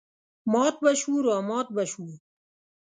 مات به شوو رامات به شوو.